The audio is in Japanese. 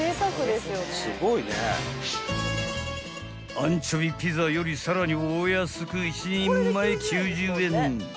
［アンチョビピザよりさらにお安く１人前９０円］